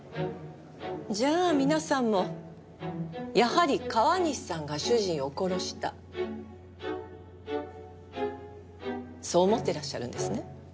じゃあ皆さんもやはり川西さんが主人を殺したそう思ってらっしゃるんですね？